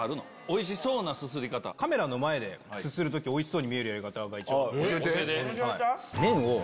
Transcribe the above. カメラの前ですする時おいしそうに見えるやり方が一応あって。